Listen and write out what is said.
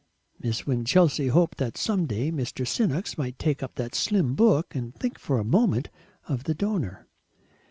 Miss Winchelsea hoped that some day Mr. Senoks might take up that slim book and think for a moment of the donor.